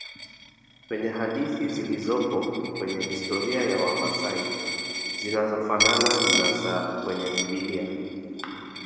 Kwenye hadithi zilizopo kwenye historia ya wamasai zinazofanana na za kwenye bibilia